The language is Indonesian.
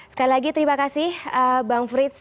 sekali lagi terima kasih bang frits